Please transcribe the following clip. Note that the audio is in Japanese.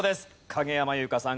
影山優佳さん